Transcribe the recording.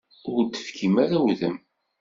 Ur d-tefkim ara udem.